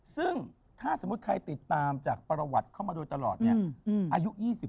ซึ่งถ้าสมมุติใครติดตามจากประวัติเข้ามาโดยตลอดอายุ๒๕